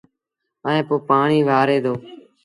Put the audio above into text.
ائيٚݩ پو پآڻيٚ وآري دو